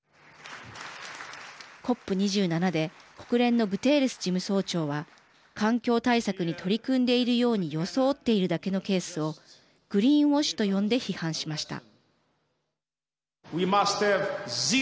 ＣＯＰ２７で国連のグテーレス事務総長は環境対策に取り組んでいるように装っているだけのケースをグリーンウォッシュと呼んで批判しました。